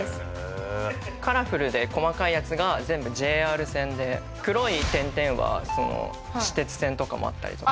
カラフルで細かいやつが全部ＪＲ線で黒い点々は私鉄線とかもあったりとか。